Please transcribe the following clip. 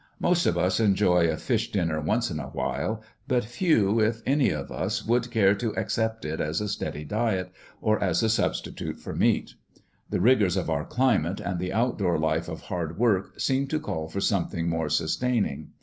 Most of us enjoy a fish dinner once in a while; but few, if any, of us would care to accept it as a steady diet, or as a substitute for meat. The rigors of our climate and the outdoor life of hard work seemed to call for something more sustaining.